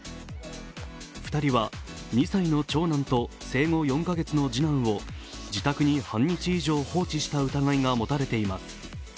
２人は２歳の長男と生後４カ月の次男を自宅に半日以上、放置した疑いが持たれています。